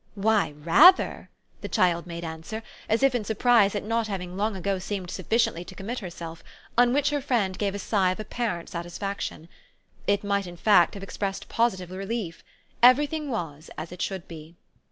"Why RATHER!" the child made answer, as if in surprise at not having long ago seemed sufficiently to commit herself; on which her friend gave a sigh of apparent satisfaction. It might in fact have expressed positive relief. Everything was as it should be.